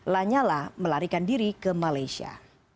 lanyala melarikan diri ke malaysia